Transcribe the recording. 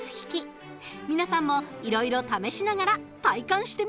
皆さんもいろいろ試しながら体感してみて下さい。